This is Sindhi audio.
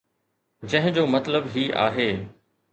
جنهن جو مطلب هي آهي.